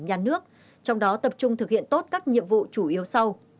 nhà nước trong đó tập trung thực hiện tốt các nhiệm vụ chủ yếu sau